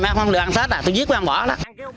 mấy ông không được ăn tết à tôi giết mấy ông bỏ đó